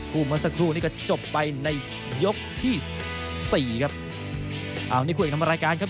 เมื่อสักครู่นี้ก็จบไปในยกที่สี่ครับเอานี่คู่เอกนำรายการครับ